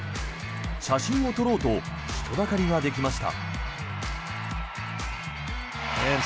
写真を撮ろうと人だかりができました。